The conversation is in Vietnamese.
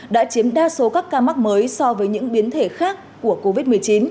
đã chiếm đa số các ca mắc mới so với những biến thể khác của covid một mươi chín